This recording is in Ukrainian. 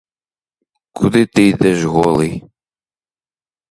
Куди ти йдеш голий?